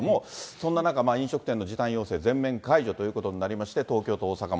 そんな中、飲食店の時短要請全面解除ということになりまして、東京と大阪も。